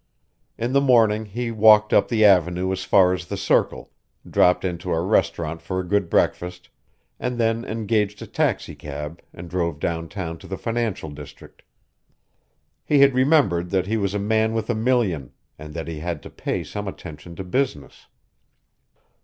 In the morning he walked up the Avenue as far as the Circle, dropped into a restaurant for a good breakfast, and then engaged a taxicab and drove downtown to the financial district. He had remembered that he was a man with a million, and that he had to pay some attention to business.